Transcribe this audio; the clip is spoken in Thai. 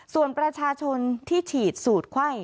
ส่วนประชาชนที่ฉีดสูตรไข้